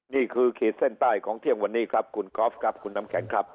ขีดเส้นใต้ของเที่ยงวันนี้ครับคุณกอล์ฟครับคุณน้ำแข็งครับ